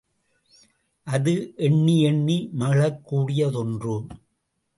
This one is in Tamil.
அது எண்ணி, எண்ணி மகிழக் கூடியதொன்று.